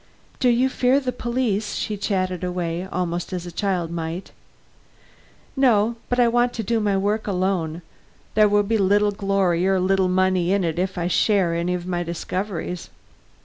"Do you fear the police?" she chatted away, almost as a child might. "No; but I want to do my work alone. There will be little glory or little money in it if they share any of my discoveries."